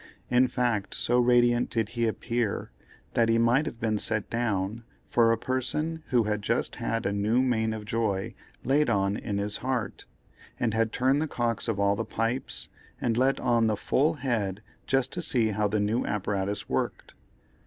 In fact, so radiant did he appear, that he might have been set down for a person who had just had a new main of joy laid on in his heart, and had turned the cocks of all the pipes, and let on the full head just to see how the new apparatus worked.